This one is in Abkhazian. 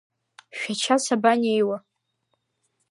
Шәача сабанеиуа?